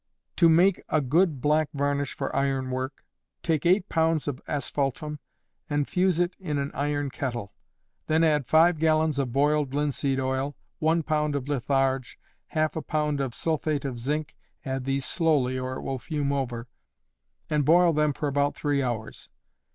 _ To make a good black varnish for iron work, take eight pounds of asphaltum and fuse it in an iron kettle; then add five gallons of boiled linseed oil, one pound of litharge, half a pound of sulphate of zinc (add these slowly, or it will fume over), and boil them for about three hours.